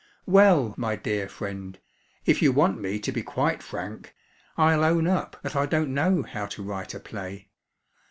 Well, my dear friend, if you want me to be quite frank, I'll own up that I don't know how to write a play.